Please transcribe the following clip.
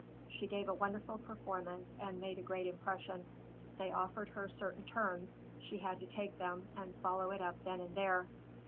She gave a wonderful performance and made a great impression. They offered her certain terms; she had to take them and follow it up then and there.